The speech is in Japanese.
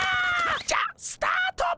じゃスタート！